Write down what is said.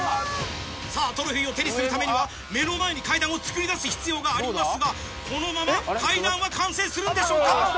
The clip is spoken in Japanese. さぁトロフィーを手にするためには目の前に階段をつくり出す必要がありますがこのまま階段は完成するんでしょうか？